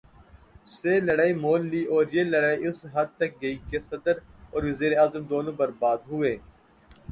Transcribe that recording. سے لڑائی مول لی اور یہ لڑائی اس حد تک گئی کہ صدر اور وزیر اعظم دونوں برباد ہوئے۔